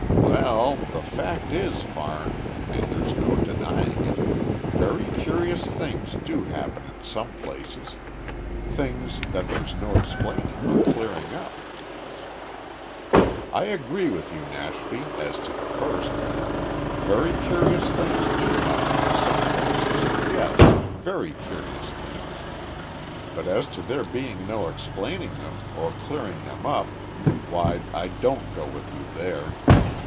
"Well, the fact is, Varne and there's no denying it very curious things do happen in some places. Things that there's no explaining or clearing up." "I agree with you, Nashby as to the first. Very curious things do happen in some places yes, very curious things. But as to there being no explaining them, or clearing them up why I don't go with you there.